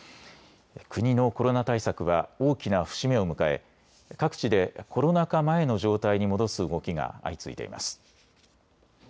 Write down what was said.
国のコロナ対策は大きな節目を迎え各地でコロナ禍前の状態に戻す動きが相次いでいます。